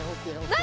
何？